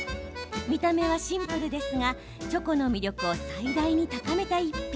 見た目はシンプルですがチョコの魅力を最大に高めた一品。